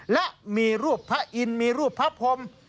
และมีรูปพระอินทร์มีรูปพระพรม